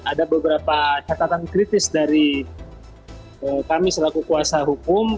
ada beberapa catatan kritis dari kami selaku kuasa hukum